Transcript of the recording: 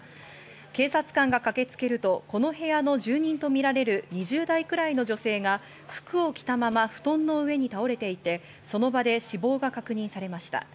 警察官が駆けつけるとこの部屋の住人とみられる２０代くらいの女性が服を着たまま布団の上に倒れていてその場で死亡が確認されました。